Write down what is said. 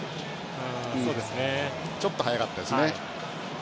ちょっと速かったですね。